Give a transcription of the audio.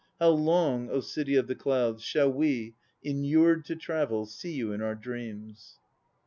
How long, City of the Clouds, 1 Shall we, inured to travel, see you in our dreams?